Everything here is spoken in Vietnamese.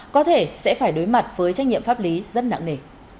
có thể sẽ phải đối mặt với trách nhiệm pháp lý rất nặng nề